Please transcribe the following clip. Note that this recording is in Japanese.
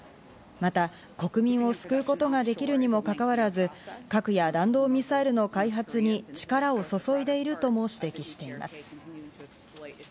また国民を救うことができるにもかかわらず、核や弾道ミサイルの開発に力を注いでいるとも指摘しています。